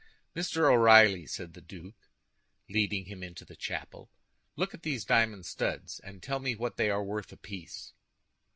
"Mr. O'Reilly," said the duke, leading him into the chapel, "look at these diamond studs, and tell me what they are worth apiece."